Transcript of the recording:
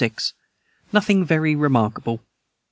Nothing very remarkable.